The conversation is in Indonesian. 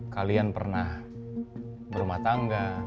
kalian pernah berumah tangga